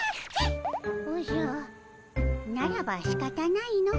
おじゃならばしかたないの。